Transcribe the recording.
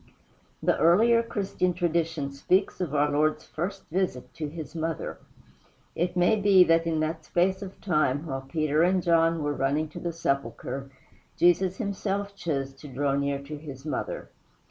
The earlier Christian tradition speaks of our Lord's first visit to his mother. It may be that in that space of time while Peter and John were running to the sepulchre Jesus himself chose to draw near to his mother.